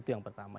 itu yang pertama